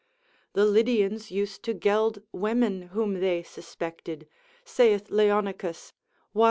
The Lydians used to geld women whom they suspected, saith Leonicus var.